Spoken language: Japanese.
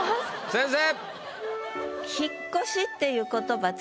先生。